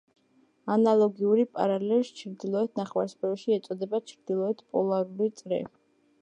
ანალოგიურ პარალელს ჩრდილოეთ ნახევარსფეროში ეწოდება ჩრდილოეთ პოლარული წრე.